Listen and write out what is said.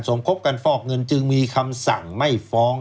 สมคบกันฟอกเงินจึงมีคำสั่งไม่ฟ้อง